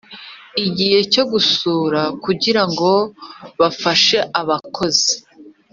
Igihe cyo gusura kugira ngo bafashe abakozi